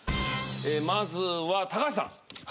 まずは高橋さん。